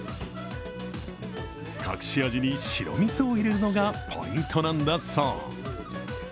隠し味に白みそを入れるのがポイントなんだそう。